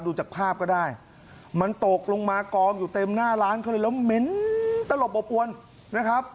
ดูจากภาพก็ได้มันตกลงมากองอยู่เต็มหน้าร้านเขาเลยแล้วเหม็นตลบอบอวนนะครับ